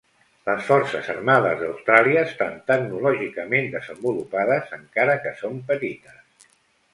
Les Forces Armades d'Austràlia estan tecnològicament desenvolupades encara que són petites.